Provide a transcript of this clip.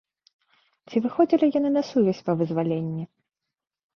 Ці выходзілі яны на сувязь па вызваленні?